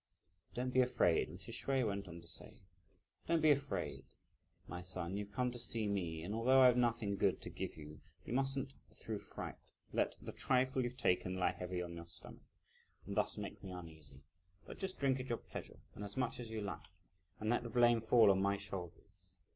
"Don't be afraid!" Mrs. Hsüeh went on to say, "don't be afraid; my son, you've come to see me, and although I've nothing good to give you, you mustn't, through fright, let the trifle you've taken lie heavy on your stomach, and thus make me uneasy; but just drink at your pleasure, and as much as you like, and let the blame fall on my shoulders.